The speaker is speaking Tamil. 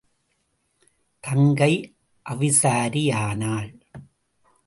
தங்கை அவிசாரி ஆனாள்.